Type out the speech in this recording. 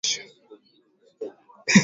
kuna aina tofauti tofauti za viazi lishe